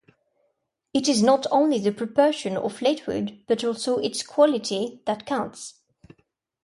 It is not only the proportion of latewood, but also its quality, that counts.